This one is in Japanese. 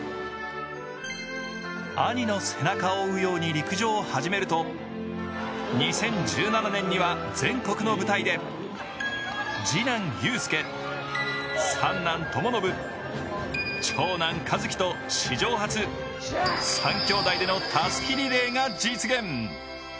兄の背中を追うように陸上を始めると２０１７年には全国の舞台で次男・友佑、三男・友伸、長男・和希と史上初、３兄弟でのたすきリレーが実現。